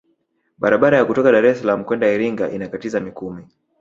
barabara ya kutoka dar es salaam kwenda iringa inakatiza mikumi